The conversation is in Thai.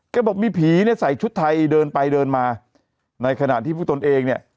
บอกมีผีเนี่ยใส่ชุดไทยเดินไปเดินมาในขณะที่ผู้ตนเองเนี่ย